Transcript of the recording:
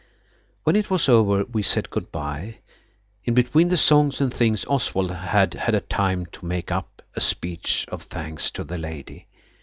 When it was over we said goodbye. In between the songs and things Oswald had had time to make up a speech of thanks to the lady.